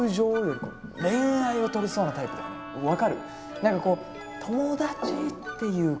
何かこう友だちっていうか。